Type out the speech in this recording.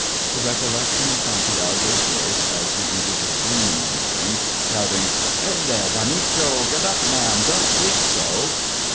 The recollection of Santiago's voice as he entered his room in the morning, shouting, "Hey there, Juanito! get up, man; don't sleep so!"